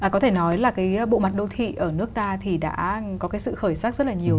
có thể nói là cái bộ mặt đô thị ở nước ta thì đã có cái sự khởi sắc rất là nhiều